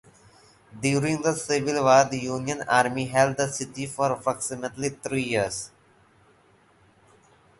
During the Civil War, the Union Army held the city for approximately three years.